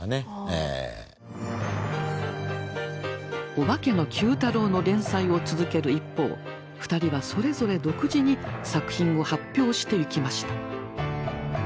「オバケのＱ太郎」の連載を続ける一方２人はそれぞれ独自に作品を発表していきました。